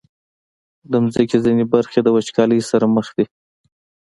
د مځکې ځینې برخې د وچکالۍ سره مخ دي.